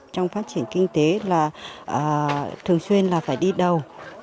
trong phát triển kinh tế là thường xuyên là phải đi đầu